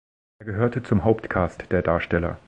Er gehörte zum Hauptcast der Darsteller.